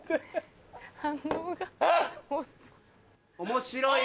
面白い。